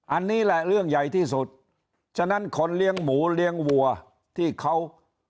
อันนี้แหละเรื่องใหญ่ที่สุดฉะนั้นคนเลี้ยงหมูเลี้ยงวัวที่เขา